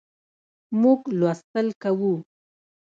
موږ لوستل کوو